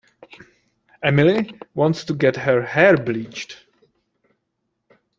Emily wants to get her hair bleached.